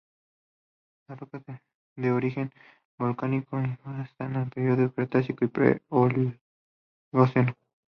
Las rocas, de origen volcánico e ígneo datan de los periodos Cretácico y pre-Oligoceno.